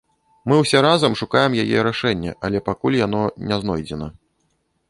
Мы ўсе разам шукаем яе рашэнне, але пакуль яно не знойдзена.